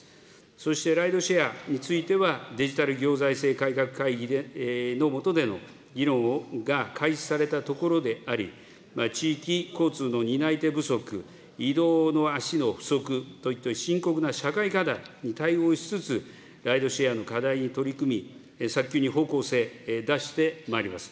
そしてライドシェアについては、デジタル行財政改革会議のもとでの議論が開始されたところであり、地域交通の担い手不足、移動の足の不足といった深刻な社会課題に対応しつつ、ライドシェアの課題に取り組み、早急に方向性、出してまいります。